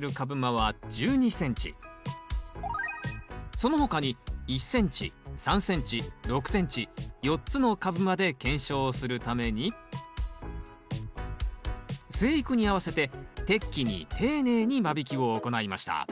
その他に１ｃｍ３ｃｍ６ｃｍ４つの株間で検証をするために生育に合わせて適期に丁寧に間引きを行いました。